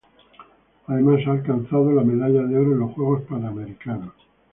Además ha alcanzado la medalla de oro en los Juegos Panamericanos.